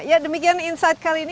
ya demikian insight kali ini